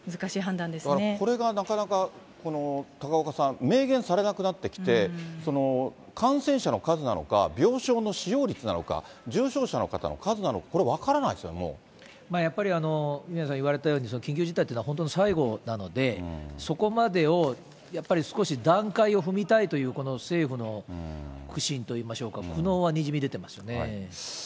これがなかなか、高岡さん、明言されなくなってきて、感染者の数なのか、病床の使用率なのか、重症者の方の数なのか、これ、分からないですよね、やっぱり、宮根さんが言われたように、緊急事態っていうのは本当に最後なので、そこまでを、やっぱり少し段階を踏みたいという政府の苦心といいましょうか、苦悩はにじみ出ていますよね。